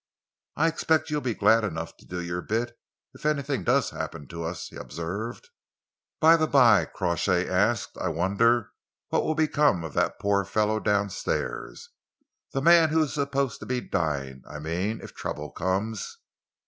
"I expect you'll be glad enough to do your bit, if anything does happen to us," he observed. "By the by," Crawshay asked, "I wonder what will become of that poor fellow downstairs the man who is supposed to be dying, I mean if trouble comes?"